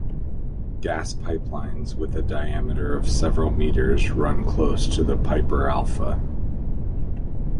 Gas pipelines with a diameter of several meters run close to the Piper Alpha.